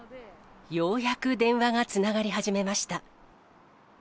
ようやく電話がつながり始めました。